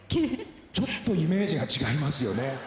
ちょっとイメージが違いますよね。